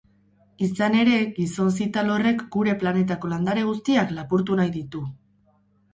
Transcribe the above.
Izan ere, gizon zital horrek gure planetako landare guztiak lapurtu nahi ditu!